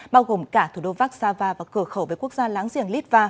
bao gồm cả thủ đô vác xa va và cửa khẩu với quốc gia láng giềng litva